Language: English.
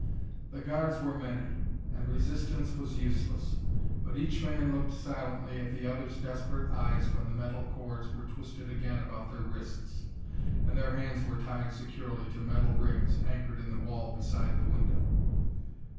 The guards were many, and resistance was useless, but each man looked silently at the other's desperate eyes when the metal cords were twisted again about their wrists, and their hands were tied securely to metal rings anchored in the wall beside the window.